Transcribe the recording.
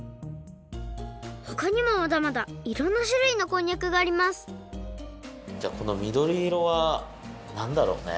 ほかにもまだまだいろんなしゅるいのこんにゃくがありますじゃあこのみどりいろはなんだろうね？